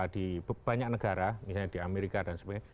di banyak negara misalnya di amerika dan sebagainya